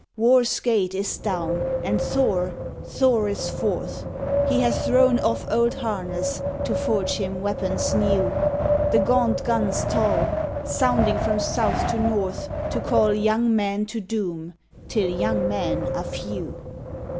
" War s gate is down, and Thor! Thor is forth! He hath thrown off old harness, to forge him weapons new. The gaunt guns toll, sounding from south to north, To call young men to doom, till young men are few.